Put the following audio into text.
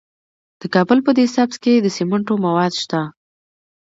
د کابل په ده سبز کې د سمنټو مواد شته.